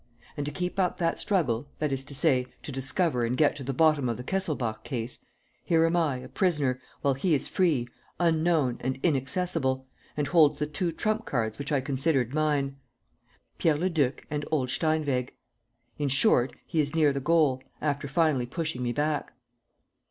And, to keep up that struggle, that is to say, to discover and get to the bottom of the Kesselbach case, here am I, a prisoner, while he is free, unknown, and inaccessible, and holds the two trump cards which I considered mine: Pierre Leduc and old Steinweg. ... In short, he is near the goal, after finally pushing me back."